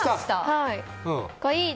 はい。